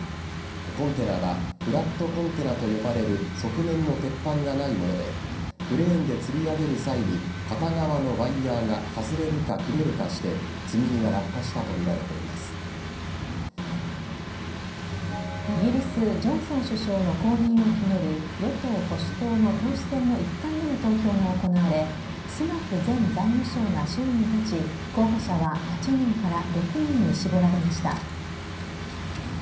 コンテナはフラットコンテナと呼ばれる側面の鉄板がないものでクレーンでつり上げる際に片側のワイヤーが外れるか、切れるかしてイギリスジョンソン首相の後任を決める与党保守党の党首選の１回目の投票が行われスナク前財務相が首位に立ち候補者は８人から６人に絞られました。